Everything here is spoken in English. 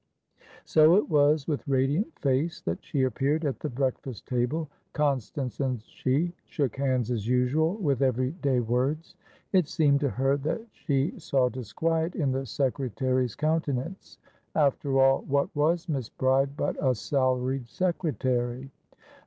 So it was with radiant face that she appeared at the breakfast table. Constance and she shook hands as usual; with everyday words. It seemed to her that she saw disquiet in the secretary's countenanceafter all, what was Miss Bride but a salaried secretary?